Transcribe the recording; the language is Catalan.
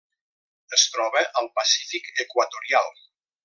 Es troba al Pacífic equatorial.